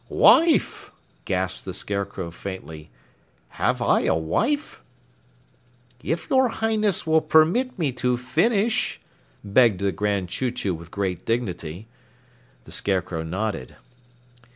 "Wife?" gasped the Scarecrow faintly. "Have I a wife?" "If your Highness will permit me to finish," begged the Grand Chew Chew with great dignity. The Scarecrow nodded.